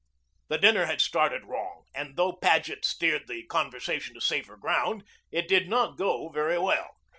The dinner had started wrong, and though Paget steered the conversation to safer ground, it did not go very well.